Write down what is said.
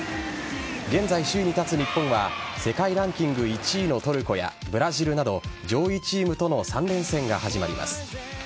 現在、首位に立つ日本は世界ランキング１位のトルコやブラジルなど上位チームとの３連戦が始まります。